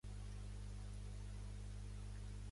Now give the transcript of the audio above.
Va haver d'abandonar el regne de Polònia.